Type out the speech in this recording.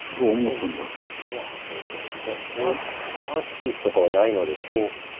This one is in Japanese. マウスピースとかはないのでこう。